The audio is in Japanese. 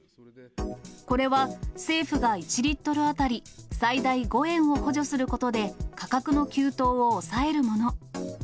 これは政府が１リットル当たり最大５円を補助することで、価格の急騰を抑えるもの。